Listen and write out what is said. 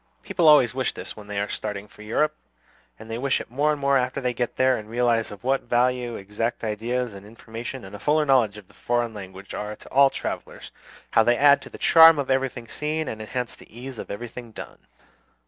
People always wish this when they are starting for Europe; and they wish it more and more after they get there, and realize of what value exact ideas and information and a fuller knowledge of the foreign languages are to all travellers; how they add to the charm of everything seen, and enhance the ease of everything done.